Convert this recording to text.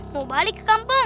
mau balik ke kampung